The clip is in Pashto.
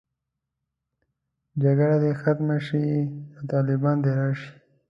جګړه دې ختمه شي، نو طالب دې راشي.